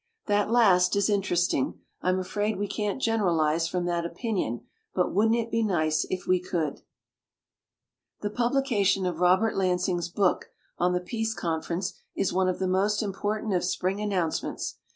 That last is interesting. I'm afraid we can't generalize from that opinion ; but wouldn't it be nice if we could ! The publication of Robert Lansing's book on the Peace Conference is one of the most important of spring an nouncements.